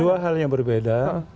dua hal yang berbeda